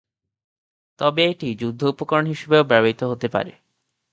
তবে এটি যুদ্ধ উপকরণ হিসাবেও ব্যবহৃত হতে পারে।